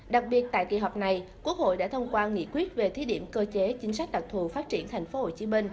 đặc biệt tại kỳ họp này quốc hội đã thông qua nghị quyết về thí điểm cơ chế chính sách đặc thù phát triển tp hcm